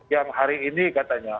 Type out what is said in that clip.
yang hari ini katanya